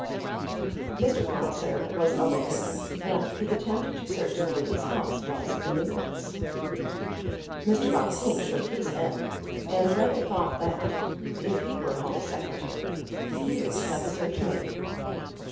Mr. Palliser was of opinion that the attempt to search the lady's house was iniquitous. Mr. Bonteen shook his head, and rather thought that, if he were Home Secretary, he would have had the search made.